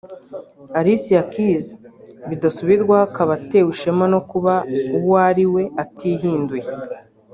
Alicia Keys bidasubirwaho akaba atewe ishema no kuba uwo ari we atihinduye